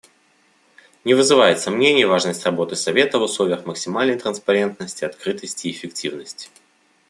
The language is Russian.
Не вызывает сомнений важность работы Совета в условиях максимальной транспарентности, открытости и эффективности.